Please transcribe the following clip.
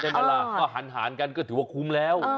ใช่ไหมล่ะก็หันกันก็ถือว่าคุ้มแล้ว